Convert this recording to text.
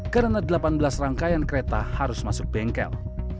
karena delapan belas rangkaian kereta harus masuk bengkel